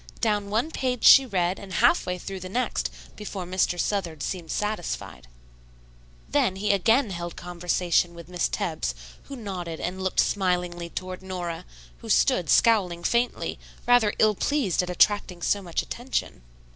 Down one page she read and half way through the next before Mr. Southard seemed satisfied. Then he again held conversation with Miss Tebbs, who nodded and looked smilingly toward Nora, who stood scowling faintly, rather ill pleased at attracting so much attention.